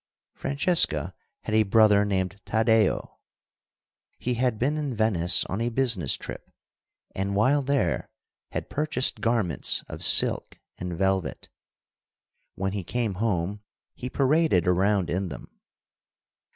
Francesca had a brother named Taddeo. He had been in Venice on a business trip, and, while there, had purchased garments of silk and velvet. When he came home he paraded around in them.